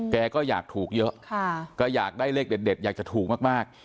แกก็อยากถูกเยอะก็อยากได้เลขเด็ดอยากจะถูกมาก